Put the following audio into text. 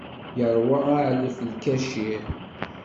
Yeṛwa aɛlaf n lkacir.